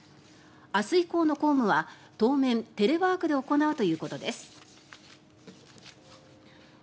明日以降の公務は当面、テレワークで行うということです。